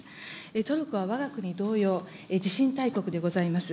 トルコはわが国同様、地震大国でございます。